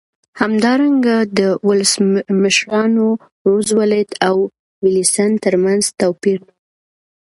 همدارنګه د ولسمشرانو روزولټ او ویلسن ترمنځ توپیر نه و.